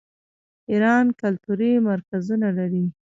ایران کلتوري مرکزونه لري.